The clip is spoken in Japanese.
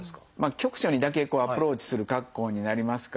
局所にだけアプローチする格好になりますから。